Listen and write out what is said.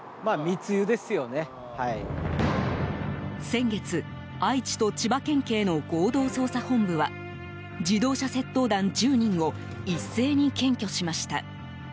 先月、愛知と千葉県警の合同捜査本部は自動車窃盗団１０人を一斉に検挙しました。